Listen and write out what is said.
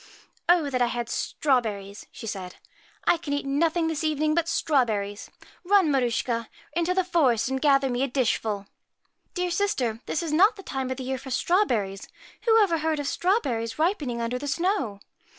* Oh that I had strawberries !' she said. ' I can eat nothing this evening but strawberries. Run, Mar uschka, into the forest and gather me a dishful.' * Dear sister, this is not the time of the year for strawberries. Who ever heard of strawberries ripening under the snow?'